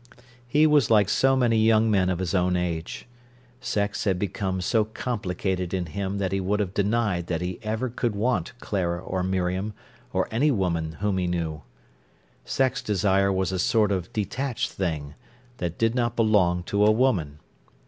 He was like so many young men of his own age. Sex had become so complicated in him that he would have denied that he ever could want Clara or Miriam or any woman whom he knew. Sex desire was a sort of detached thing, that did not belong to a woman.